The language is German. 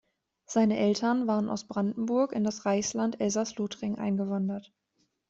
Seine Eltern waren aus Brandenburg in das Reichsland Elsaß-Lothringen eingewandert.